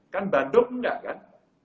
kan bandung enggak kan